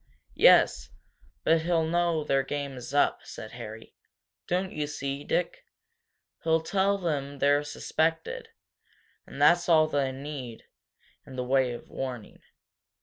"Yes, but he'll know their game is up," said Harry. "Don't you see, Dick? He'll tell them they're suspected and that's all they'll need in the way of warning.